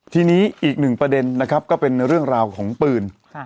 ทีนี้อีกหนึ่งประเด็นนะครับก็เป็นเรื่องราวของปืน